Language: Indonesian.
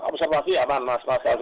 secara observasi aman mas azhidah gitu